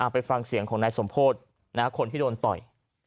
ไปฟังเสียงของนายสมโพธิคนที่โดนต่อย